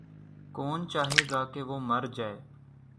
کون چاہے گا کہ وہ مر جاَئے۔